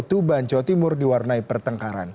tuban jawa timur diwarnai pertengkaran